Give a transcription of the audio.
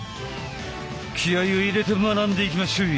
気合いを入れて学んでいきまっしょい！